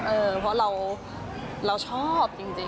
เพราะเราชอบจริง